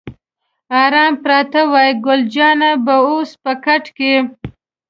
آرام پراته وای، ګل جانه به اوس په کټ کې.